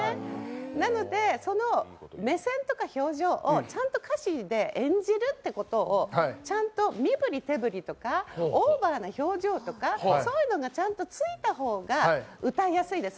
なので、その目線とか表情をちゃんと歌詞で演じるということをちゃんと身振り手振りとかオーバーな表情とか、そういうのがちゃんとついた方が歌いやすいです。